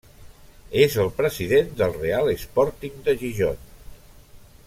És el president del Real Sporting de Gijón.